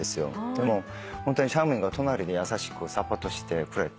でもホントにチャンミンが隣で優しくサポートしてくれて。